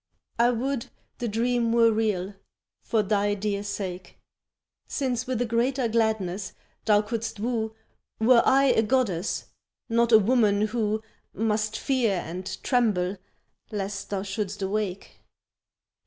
I would the dream were real for thy dear sake. Since with a greater gladness thou couldst woo Were I a goddess, not a woman who Must fear and tremble lest thou shouldst awake.